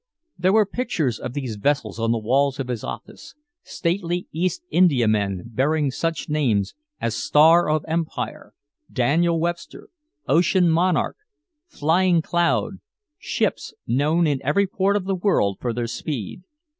There were pictures of these vessels on the walls of his office, stately East Indiamen bearing such names as Star of Empire, Daniel Webster, Ocean Monarch, Flying Cloud ships known in every port of the world for their speed.